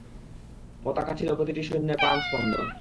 পতাকা ছিল প্রতিটি সৈন্যের প্রাণ-স্পন্দন।